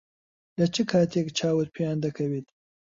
لە چ کاتێک چاوت پێیان دەکەوێت؟